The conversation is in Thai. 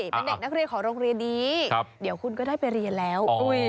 เป็นเด็กนักเรียนของโรงเรียนนี้เดี๋ยวคุณก็ได้ไปเรียนแล้ว